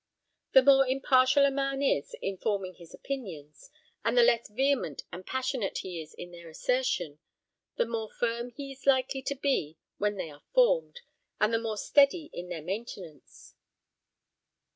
The more impartial a man is in forming his opinions, and the less vehement and passionate he is in their assertion, the more firm he is likely to be when they are formed, and the more steady in their maintenance."